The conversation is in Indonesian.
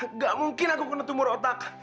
enggak mungkin aku kena tumor otak